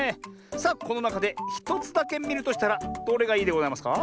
さあこのなかで１つだけみるとしたらどれがいいでございますか？